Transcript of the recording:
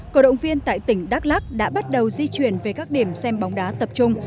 cổ động viên tại tỉnh đắk lắc đã bắt đầu di chuyển về các điểm xem bóng đá tập trung